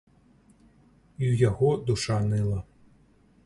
І ў яго душа ныла.